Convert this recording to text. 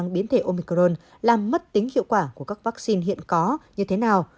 biến thể omicrone làm mất tính hiệu quả của các vaccine hiện có như thế nào